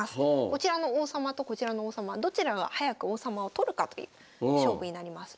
こちらの王様とこちらの王様どちらが早く王様を取るかという勝負になります。